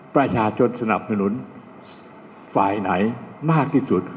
ประชาชนสนับสนุนฝ่ายไหนมากที่สุด